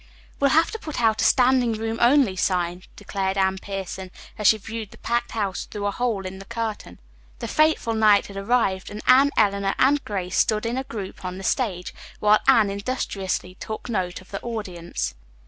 "We'll have to put out a 'Standing Room Only' sign," declared Anne Pierson, as she viewed the packed house through a hole in the curtain. The fateful night had arrived, and Anne, Eleanor and Grace stood in a group on the stage, while Anne industriously took note of the audience.